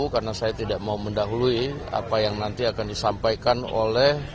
karena saya tidak mau mendahului apa yang nanti akan disampaikan oleh